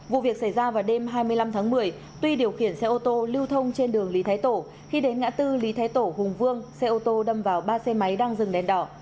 vụ việc xảy ra vào đêm hai mươi năm tháng một mươi tuy điều khiển xe ô tô lưu thông trên đường lý thái tổ khi đến ngã tư lý thái tổ hùng vương xe ô tô đâm vào ba xe máy đang dừng đèn đỏ